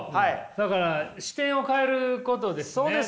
だから視点を変えることですね。